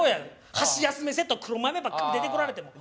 箸休めセット黒豆ばっかり出てこられても。